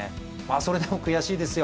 それでも悔しいですよ。